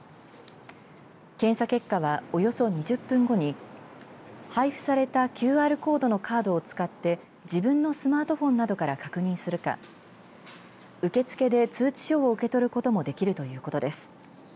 検査結果はおよそ２０分後に配布されたＱＲコードのカードを使って自分のスマートフォンなどから確認するか受付で通知書を受け取ることもできるということです。